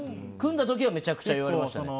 組んだ時はめちゃくちゃ言われました。